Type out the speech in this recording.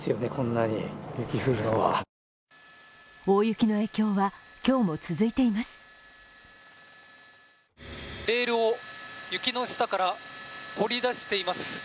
大雪の影響は、今日も続いています。